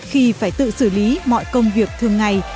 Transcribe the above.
khi phải tự xử lý mọi công việc thường ngày